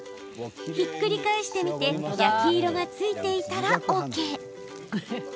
ひっくり返してみて焼き色がついていたらＯＫ。